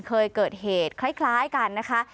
เคยเกิดเหตุคล้ายกันนะคะ